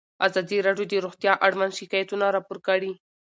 ازادي راډیو د روغتیا اړوند شکایتونه راپور کړي.